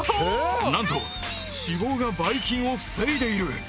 なんと脂肪がバイ菌を防いでいる。